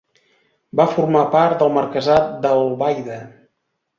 Va formar part del marquesat d'Albaida.